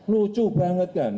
lucu banget kan